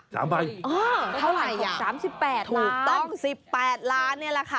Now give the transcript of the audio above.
เท่าไรอ่ะถูกต้อง๑๘ล้านบาทนี่แหละค่ะ